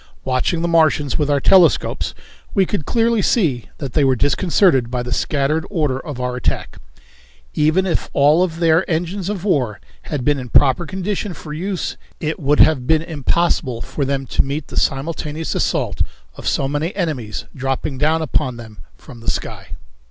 Watching the Martians with our telescopes we could clearly see that they were disconcerted by the scattered order of our attack. Even if all of their engines of war had been in proper condition for use it would have been impossible for them to meet the simultaneous assault of so many enemies dropping down upon them from the sky.